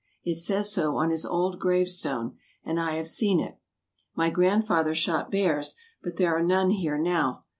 It says so on his old grave stone, and I have seen it. My grandfather shot bears, but there are none here now.